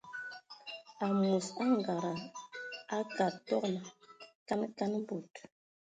Amos angada akad togan kan kan bod.